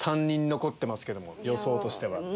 ３人残ってますけど予想としては。